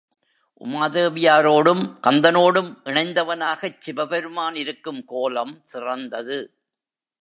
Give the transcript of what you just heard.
உமாதேவியாரோடும் கந்தனோடும் இணைந்தவனாகச் சிவபெருமான் இருக்கும் கோலம் சிறந்தது.